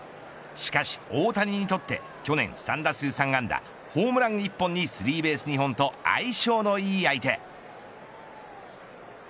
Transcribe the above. しかし大谷にとって去年３打数３安打、ホームラン１本にスリーベース２本と相性のいい相手。